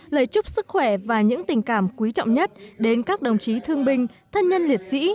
lời chúc sức khỏe và những tình cảm quý trọng nhất đến các đồng chí thương binh thân nhân liệt sĩ